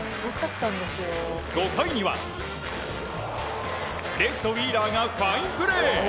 ５回にはレフト、ウィーラーがファインプレー。